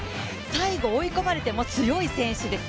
最後追い込まれても強い選手です。